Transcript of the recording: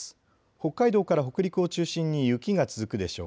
北海道から北陸を中心に雪が続くでしょう。